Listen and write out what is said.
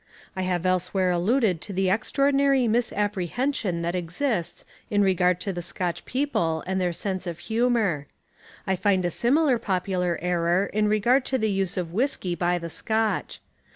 I have elsewhere alluded to the extraordinary misapprehension that exists in regard to the Scotch people and their sense of humour. I find a similar popular error in regard to the use of whiskey by the Scotch.